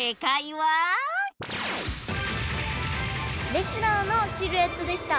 レスラーのシルエットでした。